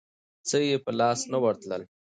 څه یې په لاس نه ورتلل.